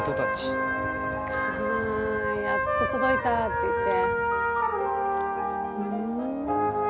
やっと届いたっていって。